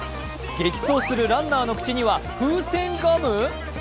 激走するランナーの口には風船ガム？